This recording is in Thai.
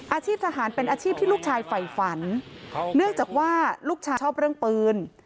อาชีพทหารเป็นอาชีพที่ลูกชายฝ่ายฝันเนื่องจากว่าลูกชายชอบเรื่องปืน